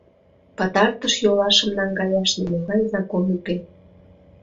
Пытартыш йолашым наҥгаяш нимогай закон уке.